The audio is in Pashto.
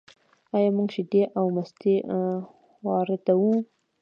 آیا موږ شیدې او مستې واردوو؟